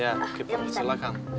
ya keeper silakan